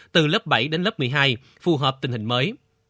từ lớp bảy đến lớp một mươi hai phù hợp tình hình mới